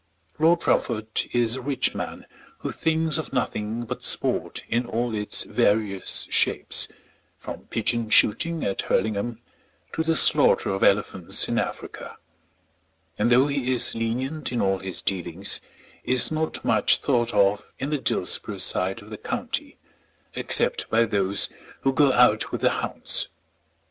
Lord Rufford is a rich man who thinks of nothing but sport in all its various shapes, from pigeon shooting at Hurlingham to the slaughter of elephants in Africa; and though he is lenient in all his dealings, is not much thought of in the Dillsborough side of the county, except by those who go out with the hounds.